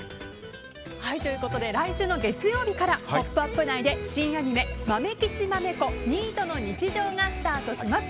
来週の月曜日から「ポップＵＰ！」内で新アニメ「まめきちまめこニートの日常」がスタートします。